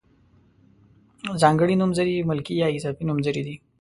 ځانګړي نومځري ملکي یا اضافي نومځري دي.